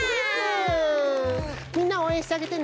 みんなおうえんしてあげてね。